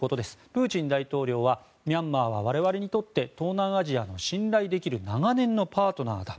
プーチン大統領はミャンマーは我々にとって東南アジアの信頼できる長年のパートナーだ。